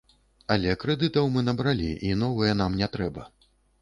Але крэдытаў мы набралі, і новыя нам не трэба.